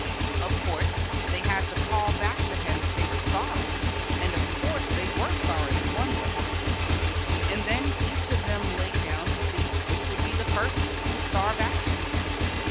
Of course they had to call back to him that they were sorry, and of course they were sorry in one way, and then each of them lay down to see which would be the first to starve out.